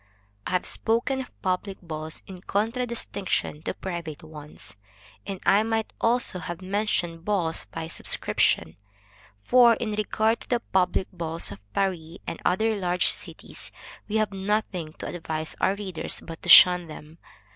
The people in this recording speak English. I have spoken of public balls, in contradistinction to private ones, and I might also have mentioned balls by subscription, for, in regard to the public balls of Paris and other large cities, we have nothing to advise our readers but to shun them.